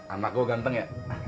anak gua ganteng ya